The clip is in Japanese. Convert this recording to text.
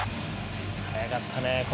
速かったね